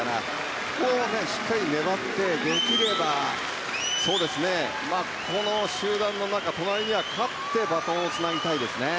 ここをしっかり粘ってできればこの集団の中、隣には勝ってバトンをつなぎたいですね。